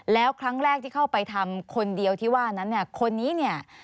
แล้วครั้งแรกที่เข้าไปทำคนเดียวที่ว่านั้นเนี่ยคนนี้เนี่ย